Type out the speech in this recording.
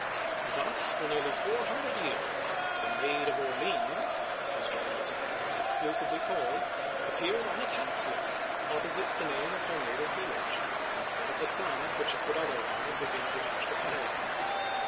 Thus for nearly four hundred years ''the Maid of Orleans "— as Joan was now almost exclusively called — appeared on the tax lists opposite the name of her native village, instead of the sum which it would otherwise have been obliged to pay.